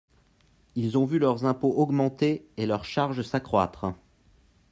Ils ont vu leurs impôts augmenter et leurs charges s’accroître.